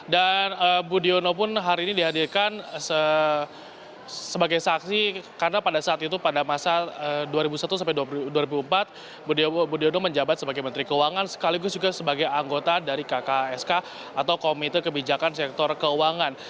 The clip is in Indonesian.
dan budiono pun hari ini dihadirkan sebagai saksi karena pada saat itu pada masa dua ribu satu dua ribu empat budiono menjabat sebagai menteri keuangan sekaligus juga sebagai anggota dari kksk atau komite kebijakan sektor keuangan